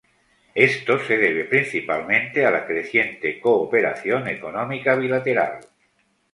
Esto se debe principalmente a la creciente cooperación económica bilateral.